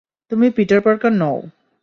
তুমি Peter Parker নও।